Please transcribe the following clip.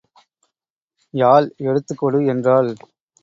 யாழ் எடுத்துக் கொடு என்றாள்.